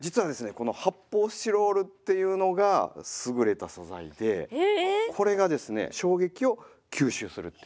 この発泡スチロールっていうのが優れた素材でこれがですね衝撃を吸収するっていう。